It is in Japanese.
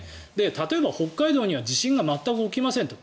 例えば北海道には地震が全く起きませんと。